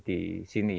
jadi ini juga penting